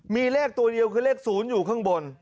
มีเลขตัวเดียวคือเลข๐อยู่ข้างบน